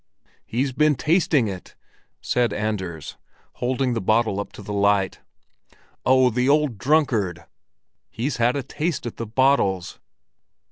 "He's been tasting it!" said Anders, holding the bottle up to the light. "Oh, the old drunkard! He's had a taste at the bottles."